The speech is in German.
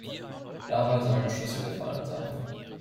Dabei sollen Schüsse gefallen sein.